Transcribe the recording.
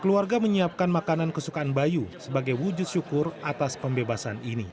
keluarga menyiapkan makanan kesukaan bayu sebagai wujud syukur atas pembebasan ini